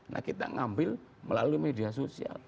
nah kita ngambil melalui media sosial